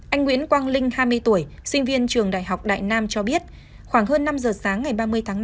anh nguyễn quang linh hai mươi tuổi sinh viên trường đại học đại nam cho biết khoảng hơn năm giờ sáng ngày ba mươi tháng năm